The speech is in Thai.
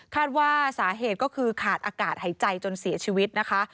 ว่าสาเหตุก็คือขาดอากาศหายใจจนเสียชีวิตนะคะ